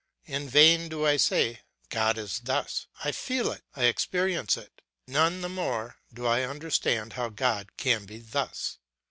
In vain do I say, God is thus, I feel it, I experience it, none the more do I understand how God can be thus.